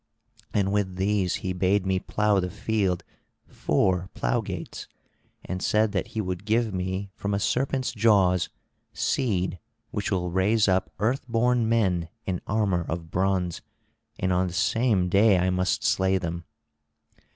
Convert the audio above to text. And with these he bade me plough the field, four plough gates; and said that he would give me from a serpent's jaws seed which will raise up earthborn men in armour of bronze; and on the same day I must slay them.